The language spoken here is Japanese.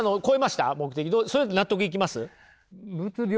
目的それで納得いきます？